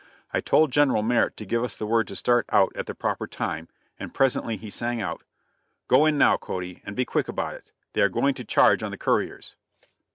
I told General Merritt to give us the word to start out at the proper time, and presently he sang out: "Go in now, Cody, and be quick about it. They are going to charge on the couriers."